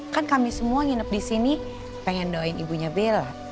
kan kami semua nginep di sini pengen doain ibunya bill